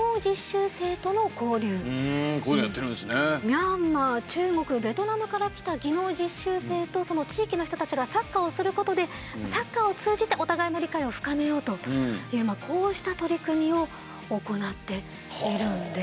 ミャンマー中国ベトナムから来た技能実習生とその地域の人たちがサッカーをすることでサッカーを通じてお互いの理解を深めようというこうした取り組みを行っているんです。